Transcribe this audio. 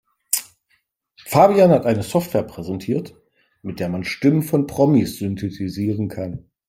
Fabian hat eine Software präsentiert, mit der man Stimmen von Promis synthetisieren kann.